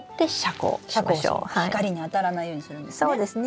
光に当たらないようにするんですね。